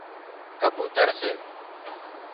ڪبوتر سي